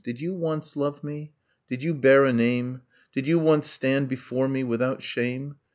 ... Did you once love me? Did you bear a name? Did you once stand before me without shame?